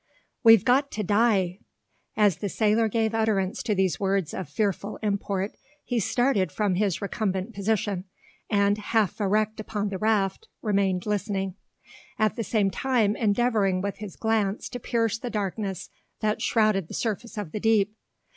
"We've got to die!" As the sailor gave utterance to these words of fearful import, he started from his recumbent position, and, half erect upon the raft, remained listening, at the same time endeavouring with his glance to pierce the darkness that shrouded the surface of the deep.